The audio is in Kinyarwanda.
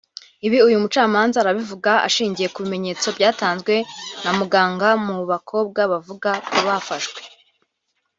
Ibi uyu mucamanza arabivuga ashingiye ku bimenyetso byatanzwe na muganga mu bakobwa bavuga ko bafashwe